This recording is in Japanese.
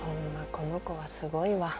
この子はすごいわ。